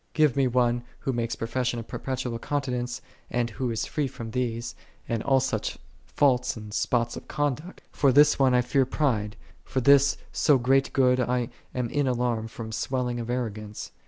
Give me one who makes profession of perpetual continence, and who is free from these, and all such faults and spots of conduct; for this one I fear pride, for this so great good I am in alarm from the swelling of arrogance.